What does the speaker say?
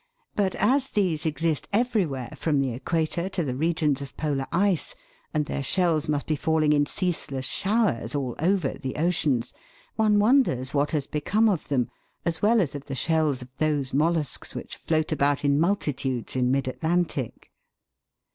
but as these exist everywhere, from the equator to the regions of polar ice, and their shells must be falling in ceaseless showers all over the oceans, one wonders what has become of them, as well as of the shells of those mollusks which float about in multitudes in mid Atlantic.